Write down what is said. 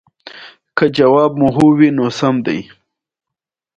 ځغاسته د ذهني سکون یو ډول دی